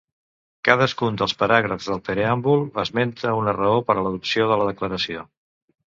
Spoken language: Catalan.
Cadascun dels paràgrafs del preàmbul esmenta una raó per a l'adopció de la Declaració.